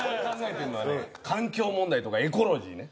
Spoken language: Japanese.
環境問題とかエコロジーね。